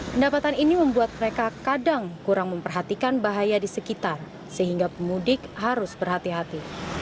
pendapatan ini membuat mereka kadang kurang memperhatikan bahaya di sekitar sehingga pemudik harus berhati hati